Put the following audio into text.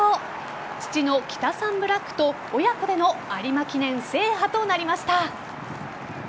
父のキタサンブラックと親子での有馬記念制覇となりました。